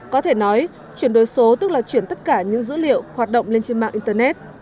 có thể nói chuyển đổi số tức là chuyển tất cả những dữ liệu hoạt động lên trên mạng internet